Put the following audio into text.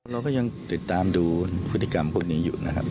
เราก็ยังติดตามดูพฤติกรรมพวกนี้อยู่นะครับ